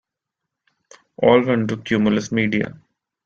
All went to Cumulus Media.